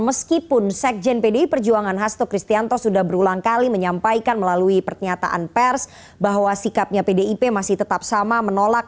meskipun sekjen pdi perjuangan hasto kristianto sudah berulang kali menyampaikan melalui pernyataan pers bahwa sikapnya pdip masih tetap sama menolak